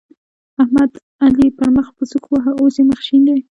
احمد؛ علي پر مخ په سوک وواهه ـ اوس يې مخ شين دی.